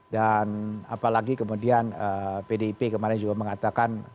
dan apalagi kemudian pdip kemarin juga mengatakan